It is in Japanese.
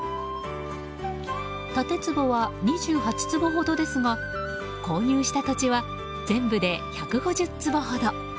建坪は２８坪ほどですが購入した土地は全部で１５０坪ほど。